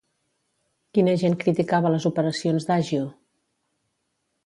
Quin agent criticava les operacions d'àgio?